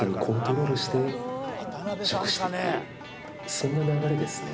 その流れですね。